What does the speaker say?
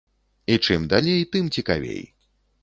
І чым далей, тым цікавей.